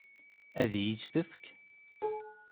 Ad iyi-tt-tefk?